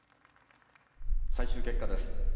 最終結果です。